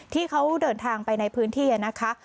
ที่เขาเดินทางไปในพื้นที่นะคะ